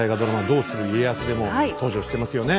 「どうする家康」でも登場してますよね